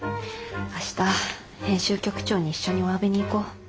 明日編集局長に一緒におわびに行こう。